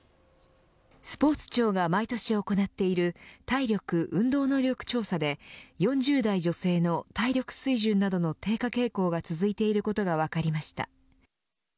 スポーツ庁が毎年行っている体力・運動能力調査で４０代女性の体力水準などの低下傾向が続いていることが分かりました。